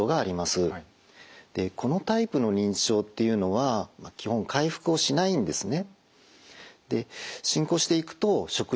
このタイプの認知症っていうのは基本回復をしないんですね。